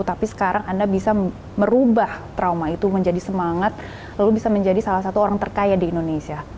tapi sekarang anda bisa merubah trauma itu menjadi semangat lalu bisa menjadi salah satu orang terkaya di indonesia